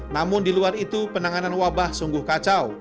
namun di luar itu penanganan wabah sungguh kacau